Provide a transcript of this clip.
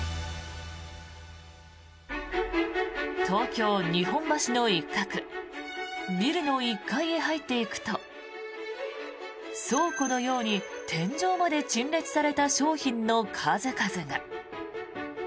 東京・日本橋の一角ビルの１階に入っていくと倉庫のように天井まで陳列された商品の数々が。